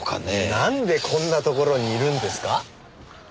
なんでこんな所にいるんですか？